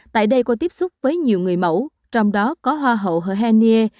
tại đây có tiếp xúc với nhiều người mẫu trong đó có hoa hậu hồ hèn nghê